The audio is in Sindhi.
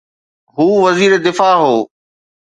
هو وزير دفاع هو.